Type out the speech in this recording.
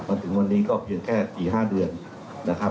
มาถึงวันนี้ก็เพียงแค่๔๕เดือนนะครับ